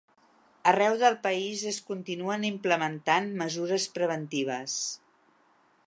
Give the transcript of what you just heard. Arreu del país es continuen implementant mesures preventives.